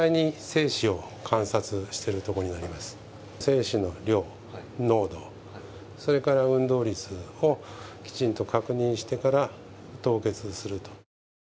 精子の量、濃度、それから運動率をきちんと確認してから凍結すると。